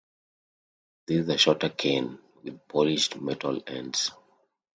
This is a shorter cane, with polished metal ends.